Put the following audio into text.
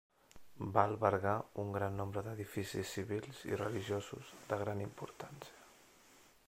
Va albergar un gran nombre d'edificis civils i religiosos de gran importància.